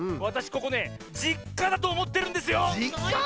ここね「じっか」だとおもってるんですよ！